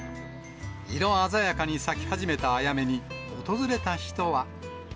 色鮮やかに咲き始めたあやめに、訪れた人は。